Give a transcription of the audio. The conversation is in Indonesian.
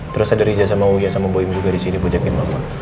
terus ada riza sama uya sama boyim juga disini gue jagain mama